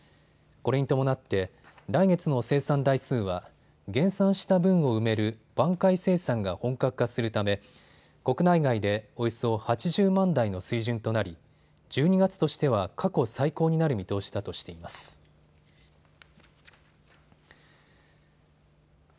これに伴って来月の生産台数は減産した分を埋める挽回生産が本格化するため国内外でおよそ８０万台の水準となり１２月としては過去最高になる見通しだとしています。